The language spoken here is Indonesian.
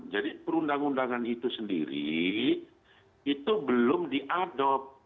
jadi perundang undangan itu sendiri itu belum diadopt